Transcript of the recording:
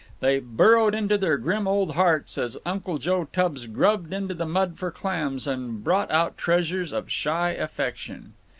They burrowed into their grim old hearts as Uncle Joe Tubbs grubbed into the mud for clams, and brought out treasures of shy affection.